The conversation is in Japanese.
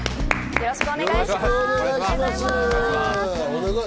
よろしくお願いします。